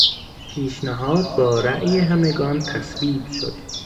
پیشنهاد با رای همگان تصویب شد.